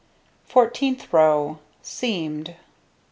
Fourteenth row: Seamed.